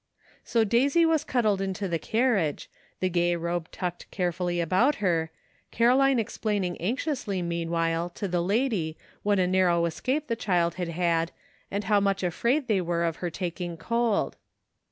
So Daisy was cuddled into the carriage, the gay robe tucked carefully about her, Caroline explaining anxiously meanwhile to the lady what a narrow escape the child had had and 46 ''A PRETTY STATE OF THINGS.'* how much afraid they were of her taking cold.